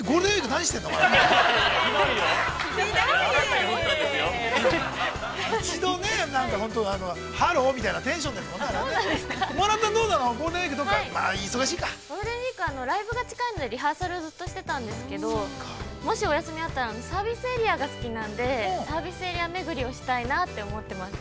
◆ゴールデンウイークはライブが近いので、リハーサルをずっとしていたんですけど、もしお休みがあったら、サービスエリアが好きなので、サービスエリアめぐりをしたいなと思っています。